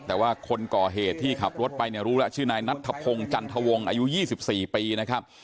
แต่ว่าคนก่อเหตุที่ขับรถไปเนี่ยรู้แล้วชื่อนายนัทธพงศ์จันทวงศ์อายุ๒๔ปีนะครับ